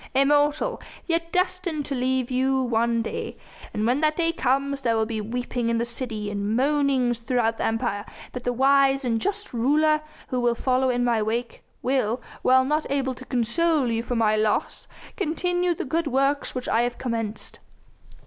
"Immortal, yet destined to leave you one day. When that day comes, there will be weeping in the city and moanings throughout the Empire, but the wise and just ruler who will follow in my wake will while not able to console you for my loss continue the good works which I have commenced.